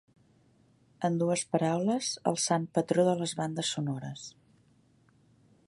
En dues paraules, el sant patró de les bandes sonores.